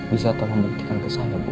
bisa tolong beritakan ke saya ibu